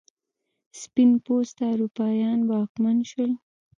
سپین پوسته اروپایان واکمن شول.